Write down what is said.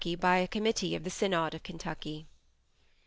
by a committee of the synod of Kentucky.)